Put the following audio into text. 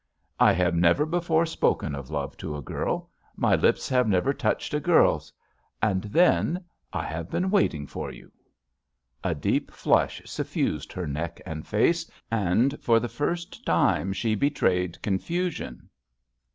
"I have never before spoken of love to a girl. My lips have never touched a girl's." And then, "I have been waiting for you 1" JUST SWEETHEARTS ^ A deep flush suffused her neck and face, and for the first time she betrayed confusion.